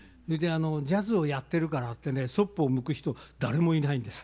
ジャズをやってるからってねそっぽを向く人誰もいないんです。